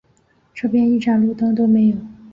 这边一盏路灯都没有